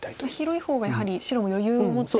広い方がやはり白も余裕を持って。